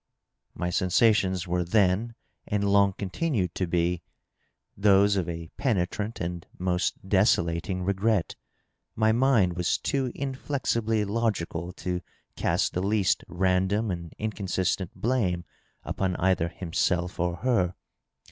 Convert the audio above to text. My sensations were then, and long continued to be, those of a penetrant and most desolating regret. My mind was too inflexibly logical to cast the least random and inconsistent blame upon either himself or her.